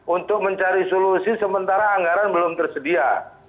untuk mencari solusi sementara anggaran belum tersedia